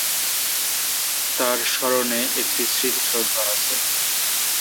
তাঁর স্মরণে একটি স্মৃতিসৌধ আছে।